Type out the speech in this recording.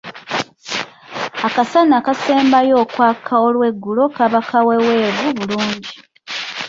Akasana akasembayo okwaka olw’eggulo kaba kaweeweevu bulungi.